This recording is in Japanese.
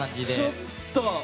ちょっと！